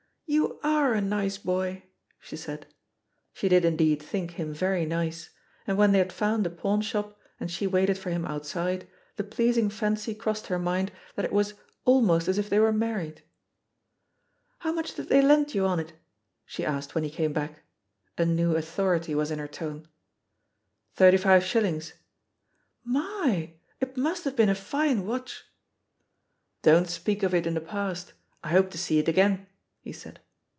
"You are a nice boy," she said. She did indeed think him very nice, and when fhey had found a pawnshop and she waited for THE POSITION OP PEGGY HAKPER Sfi him outside, the pleasing fancy crossed her mind that it was "almost as if they were married," "How much did they lend you on it?" she asked when he came back. A new authority ^as in her tone. "Thirty five shillings/^ "My! It must have been a fine watch." *T)on't speak of it in the past; I hope to see it again/' he said.